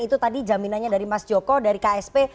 itu tadi jaminannya dari mas joko dari ksp